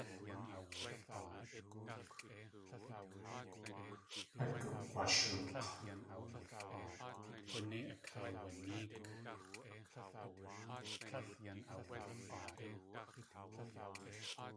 At gug̲washook̲.